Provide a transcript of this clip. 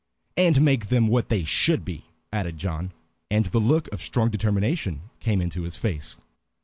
"And make them what they should be," added John, and the look of strong determination came into his face.